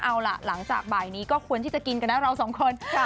เอาล่ะหลังจากบ่ายนี้ก็ควรที่จะกินกันนะเราสองคน